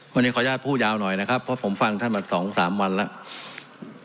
วันนี้ขออนุญาตพูดยาวหน่อยนะครับเพราะผมฟังท่านมา๒๓วันแล้ว